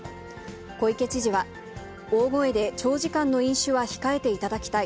小池知事は大声で長時間の飲酒は控えていただきたい。